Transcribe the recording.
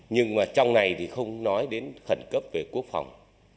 nhưng mà trong này thì không nói đến khẩn cấp về quốc phòng